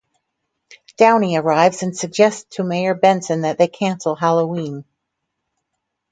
Downey arrives and suggests to Mayor Benson that they cancel Halloween.